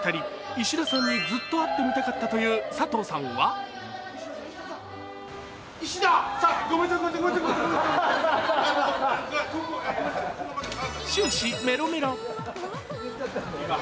石田さんにずっと会ってみたかったという佐藤さんは終始メロメロ。